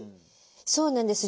そうなんです。